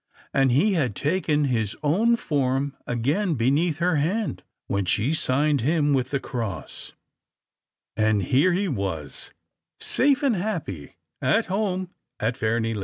And he had taken his own form again beneath her hand, when she signed him with the Cross, and here he was, safe and happy, at home at Fairnilee.